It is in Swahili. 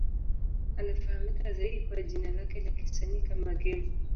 Anafahamika zaidi kwa jina lake la kisanii kama Game.